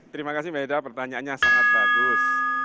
terima kasih mbak ida pertanyaannya sangat bagus